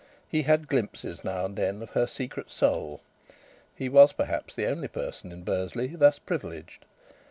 He had glimpses now and then of her secret soul; he was perhaps the only person in Bursley thus privileged.